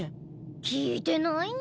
聞いてないニャ。